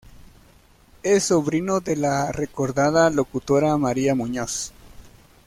Es sobrino de la recordada locutora María Muñoz.